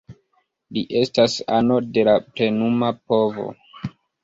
Li estas ano de la plenuma povo.